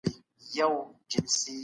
مشوره عقل پياوړی کوي.